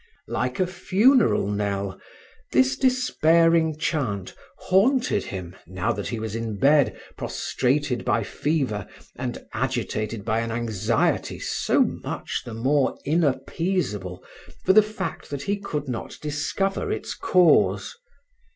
Like a funeral knell, this despairing chant haunted him, now that he was in bed, prostrated by fever and agitated by an anxiety so much the more inappeasable for the fact that he could not discover its cause.